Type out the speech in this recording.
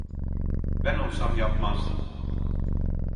Ben olsam yapmazdım.